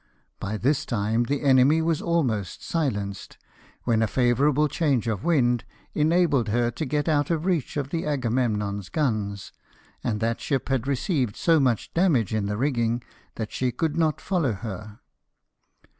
By this time the enemy was almost silenced, when a favour able change of wind enabled her to get out of reach of the Agameranon's guns ; and that ship had received so much damage in the rigging that she could not follow her.